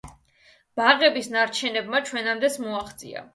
ბაღების ნარჩენებმა ჩვენამდეც მოაღწია.